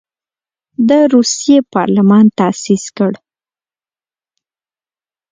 د روسیې پارلمان تاسیس کړ.